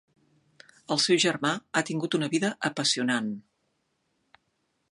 El seu germà ha tingut una vida apassionant.